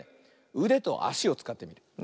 うでとあしをつかってみる。